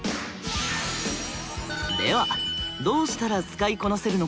ではどうしたら使いこなせるのか？